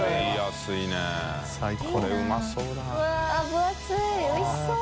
分厚いおいしそう！